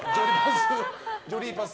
ジョリパス。